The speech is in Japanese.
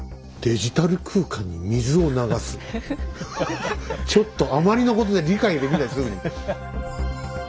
ハハハッちょっとあまりのことで理解できないすぐに。